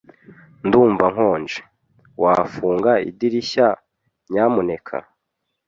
Ndumva nkonje. Wafunga idirishya, nyamuneka?